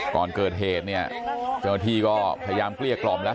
ก่อนเกิดเหตุเนี่ยเจ้าหน้าที่ก็พยายามเกลี้ยกล่อมแล้ว